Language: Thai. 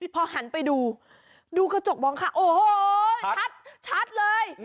พอหันไปดูดูกระจกมองค่ะโอ้โหชัดเลย